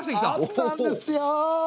あったんですよ。